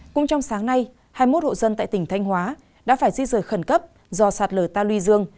cũng trong sáng nay hai mươi một hộ dân tại tỉnh thanh hóa đã phải di rời khẩn cấp do sạt lở ta luy dương